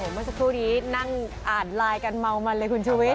เมื่อสักครู่นี้นั่งอ่านไลน์กันเมามันเลยคุณชุวิต